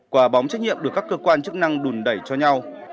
quả bóng trách nhiệm được các cơ quan chức năng đùn đẩy cho nhau